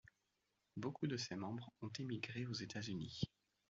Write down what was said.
Beaucoup de ses membres ont émigré aux États-Unis.